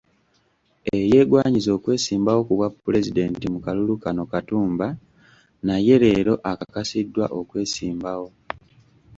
Eyeegwanyiza okwesimbawo ku bwa pulezidenti mu kalulu kano, Katumba, naye leero akakasiddwa okwesimbawo.